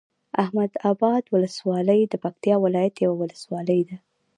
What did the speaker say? احمداباد ولسوالۍ د پکتيا ولايت یوه ولسوالی ده